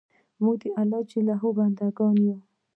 موږ د الله ج بندګان یو